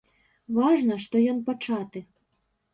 Важна, што ён пачаты.